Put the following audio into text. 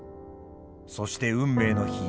そして運命の日。